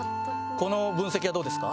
この分析はどうですか？